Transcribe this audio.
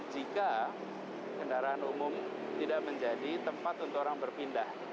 jika kendaraan umum tidak menjadi tempat untuk orang berpindah